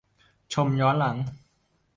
ชมย้อนหลัง